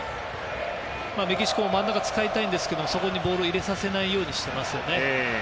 メキシコも真ん中を使いたいんですがそこにボールを入れさせないようにしています。